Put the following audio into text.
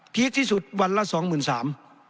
พีคที่สุดวันละ๒๓๐๐๐